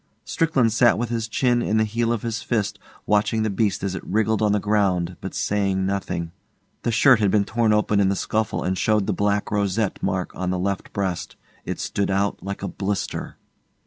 Strickland sat with his chin in the heel of his fist, watching the beast as it wriggled on the ground, but saying nothing. The shirt had been torn open in the scuffle and showed the black rosette mark on the left breast. It stood out like a blister.